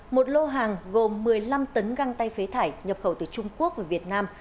một lô hàng gồm một mươi năm tấn găng tay phế thải nhập khẩu từ trung quốc về việt nam